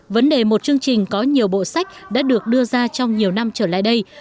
vấn đề một chương trình có nhiều bộ sách đã được đưa ra trong nhiều năm trở lại đây